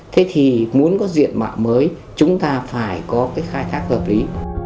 thế thì muốn có diện mạo mới chúng ta phải có cái khai thác hợp lý